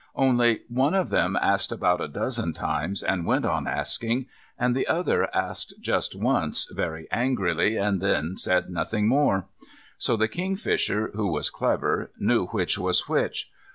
Only one of them asked about a dozen times, and went on asking, and the other asked just once very angrily, and then said nothing more. So the Kingfisher, who was clever, knew which was which.